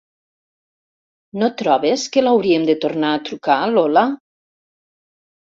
¿No trobes que l'hauríem de tornar a trucar, Lola?